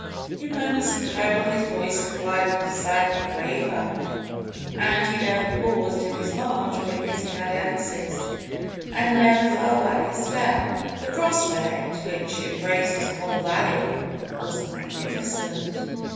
In moments of peril his voice acquired a decided quaver, but he never paused in his march or in his cadences, and never fell back a step. "The prospect, which embraced the whole valley, was magnificent.